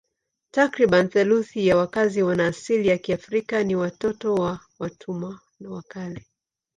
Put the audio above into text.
Takriban theluthi ya wakazi wana asili ya Kiafrika ni watoto wa watumwa wa kale.